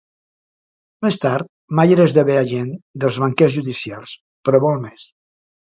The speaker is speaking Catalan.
Més tard, Mayer esdevé agent dels banquers judicials, però vol més.